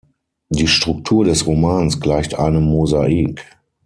Die Struktur des Romans gleicht einem Mosaik.